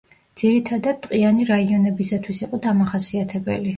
ძირითადად ტყიანი რაიონებისათვის იყო დამახასიათებელი.